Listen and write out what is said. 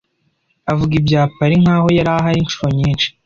Avuga ibya Paris nkaho yari ahari inshuro nyinshi.